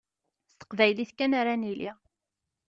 S teqbaylit kan ara nili.